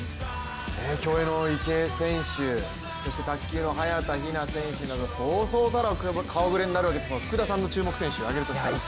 競泳の池江選手、そして卓球の早田ひな選手などそうそうたる顔ぶれですけども福田さんの注目選手挙げるとしたら？